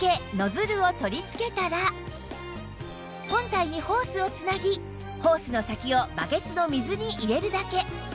本体にホースを繋ぎホースの先をバケツの水に入れるだけ